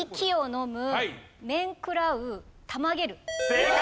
正解。